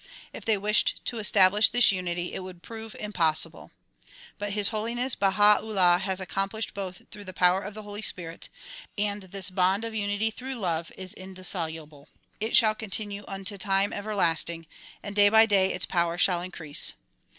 If they wished to establish this unity it would prove impossible. But His Holiness Baha 'Ullah has accomplished both through the power of the Holy Spirit, and this bond of unity through love is indissoluble. It shall continue unto time everlasting ; and day by day its power shall increase.